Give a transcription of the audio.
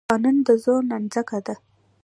قانون د زور نانځکه ده.